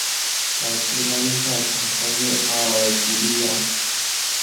早期拉力赛常穿越阿尔及利亚。